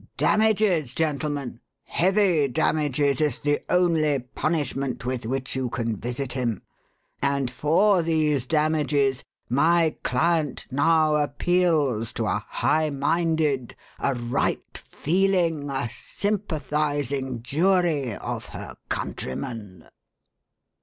Damages, gentlemen, heavy damages is the only punishment with which you can visit him. And for these damages, my client now appeals to a high minded, a right feeling, a sympathizing jury of her countrymen!"